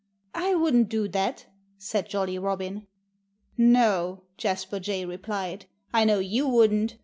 "I wouldn't do that!" said Jolly Robin. "No!" Jasper Jay replied. "I know you wouldn't.